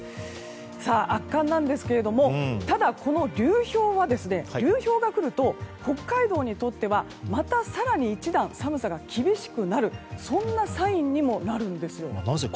圧巻なんですがただ、この流氷が来ると北海道にとってはまた更に一段寒さが厳しくなるサインにもなるんですよ。